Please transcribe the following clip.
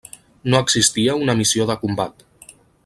No existia una missió de combat.